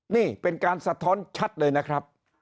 นี่เป็นการสะท้อนชัดเลยนะครับ